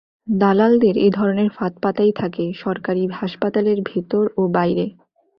দালালদের এ ধরনের ফাঁদ পাতাই থাকে সরকারি হাসপাতালের ভেতর ও বাইরে।